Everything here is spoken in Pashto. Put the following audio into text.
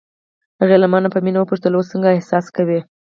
هغې له مانه په مینه وپوښتل: اوس څنګه احساس کوې؟